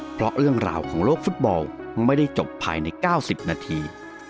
เพราะเรื่องราวของโลกฟุตบอลไม่ได้จบภายใน๙๐นาที